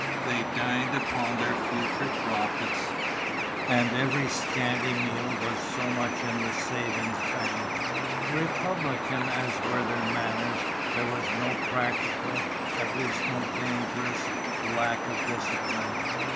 They dined upon their future profits; and every scanty meal was so much in the savings bank. Republican as were their manners, there was no practical, at least no dangerous, lack of discipline.